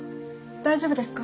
大丈夫ですか？